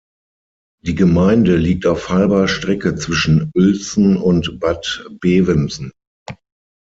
Die Gemeinde liegt auf halber Strecke zwischen Uelzen und Bad Bevensen.